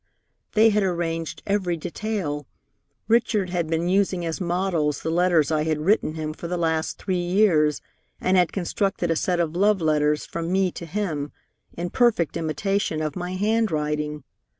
"They had arranged every detail. Richard had been using as models the letters I had written him for the last three years, and had constructed a set of love letters from me to him, in perfect imitation of my handwriting.